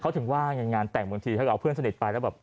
เขาถึงว่าไงงานแต่งบางทีเขาก็เอาเพื่อนสนิทไปแล้วแบบ